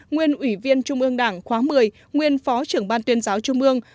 nguyên ủy viên trung ương đảng khóa một mươi nguyên phó trưởng ban tuyên giáo trung ương